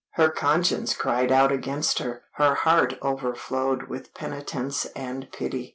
Her conscience cried out against her, her heart overflowed with penitence and pity.